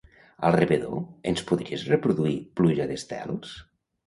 Al rebedor ens podries reproduir "Pluja d'estels"?